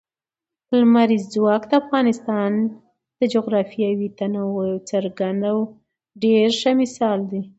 لمریز ځواک د افغانستان د جغرافیوي تنوع یو څرګند او ډېر ښه مثال دی.